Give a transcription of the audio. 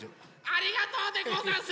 ありがとうでござんす！